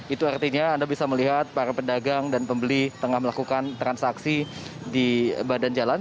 itu artinya anda bisa melihat para pedagang dan pembeli tengah melakukan transaksi di badan jalan